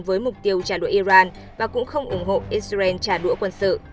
với mục tiêu trả đũa iran và cũng không ủng hộ israel trả đũa quân sự